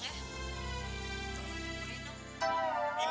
ini yang kecil